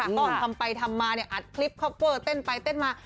มีก้อนทำไปทำมาอัดคลิปเข้าเพิ่มเต้นไปเต้นมา